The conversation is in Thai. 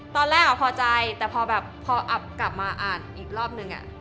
ตอนแรกอะพอใจแต่พออับกลับมาอ่านอีกรอบหนึ่งอะ